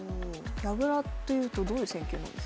矢倉というとどういう戦型なんですか？